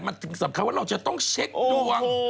มันถึงสำคัญว่าเราจะต้องเช็คดวง